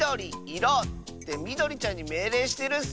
みどりちゃんにめいれいしてるッス！